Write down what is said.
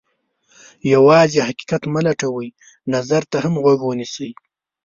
یوازې حقیقت مه لټوئ، نظر ته هم غوږ ونیسئ.